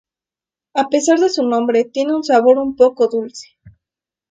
A pesar de su nombre, tiene un sabor un poco dulce.